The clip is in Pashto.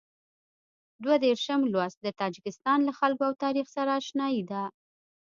دوه دېرشم لوست د تاجکستان له خلکو او تاریخ سره اشنايي ده.